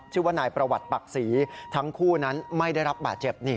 ชื่อว่านายประวัติปักศรีทั้งคู่นั้นไม่ได้รับบาดเจ็บ